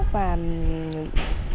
và đối với